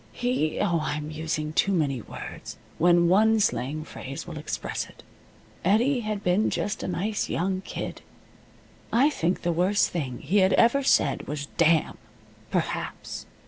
He oh, I am using too many words, when one slang phrase will express it. Eddie had been just a nice young kid. I think the worst thing he had ever said was "Damn!" perhaps.